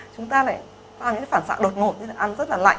chúng ta lại ta là những phản xạ đột ngột ăn rất là lạnh